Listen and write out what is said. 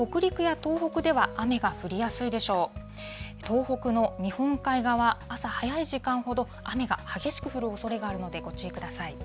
東北の日本海側、朝早い時間ほど、雨が激しく降るおそれがあるので、ご注意ください。